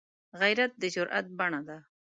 غیرت د جرئت بڼه ده